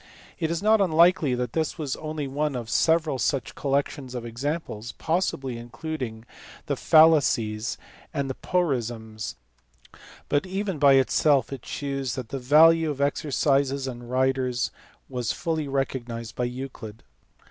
It is not unlikely that this was only one of several such collections of examples possibly including the Fallacies and the Porisms but even by itself it shews that the value of exercises and riders was fully recognized by Euclid.